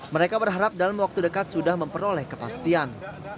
mereka berharap dalam waktu dekat sudah memperoleh kepastian